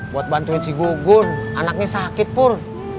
buat bantuin si gugun anaknya sakit pun